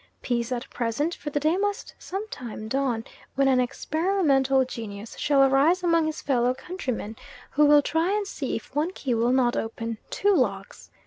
Peace at present, for the day must some time dawn when an experimental genius shall arise among his fellow countrymen, who will try and see if one key will not open two locks.